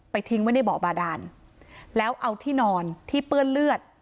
ทิ้งไว้ในบ่อบาดานแล้วเอาที่นอนที่เปื้อนเลือด